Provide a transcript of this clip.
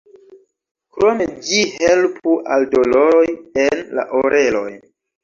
Krome ĝi helpu al doloroj en la oreloj.